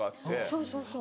そうそうそう。